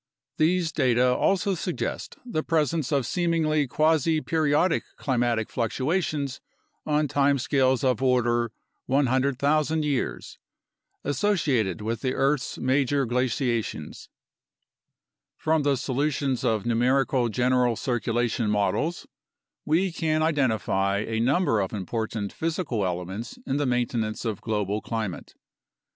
These data also suggest the presence of seemingly quasi periodic climatic fluctuations on time scales of order 100,000 years, associated with the earth's major glaciations. 64 UNDERSTANDING CLIMATIC CHANGE From the solutions of numerical general circulation models, we can identify a number of important physical elements in the mainte nance of global climate.